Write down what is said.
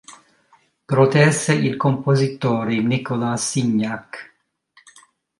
Protesse il compositore Nicolas Signac.